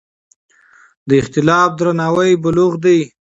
د اختلاف درناوی بلوغ دی